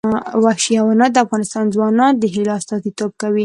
وحشي حیوانات د افغان ځوانانو د هیلو استازیتوب کوي.